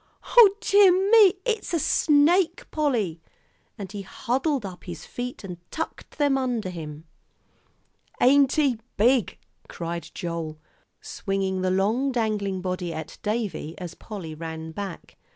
"O dear me, it's a snake, Polly!" and he huddled up his feet and tucked them under him. "Ain't he big?" cried Joel, swinging the long dangling body at Davie as Polly ran back.